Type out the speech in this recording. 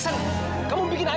aku di sini